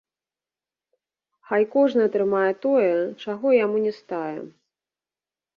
Хай кожны атрымае тое, чаго яму не стае.